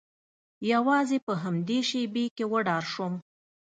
یوازې په همدې شیبې کې وډار شوم